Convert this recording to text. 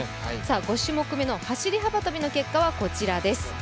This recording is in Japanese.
５種目目の走幅跳の結果はこちらです。